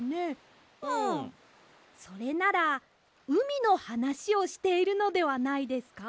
それならうみのはなしをしているのではないですか？